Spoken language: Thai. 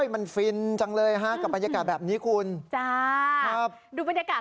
มันฟินจังเลยฮะกับบรรยากาศแบบนี้คุณจ้าครับดูบรรยากาศ